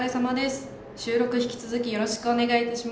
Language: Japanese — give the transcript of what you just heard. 収録引き続きよろしくお願いいたします。